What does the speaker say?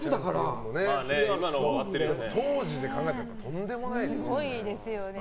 当時で考えたらとんでもない数字ですね。